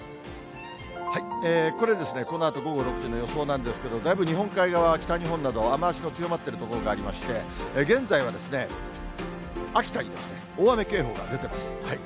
これ、このあと午後６時の予想なんですけど、だいぶ日本海側、北日本など、雨足の強まっている所がありまして、現在はですね、秋田に大雨警報が出ています。